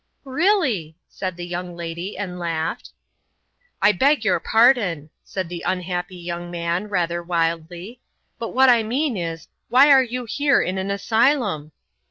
"Really," said the young lady, and laughed. "I beg your pardon," said the unhappy young man, rather wildly, "but what I mean is, why are you here in an asylum?"